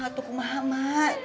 hah tuh kumaha mak